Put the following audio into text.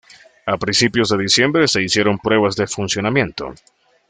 A principios de diciembre se hicieron pruebas de funcionamiento.